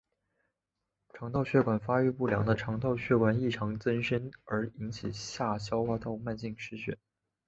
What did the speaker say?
肠道血管发育不良是肠道血管异常增生而引起下消化道慢性失血。